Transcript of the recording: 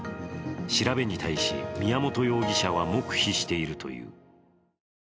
調べに対し宮本容疑者は黙秘しているという。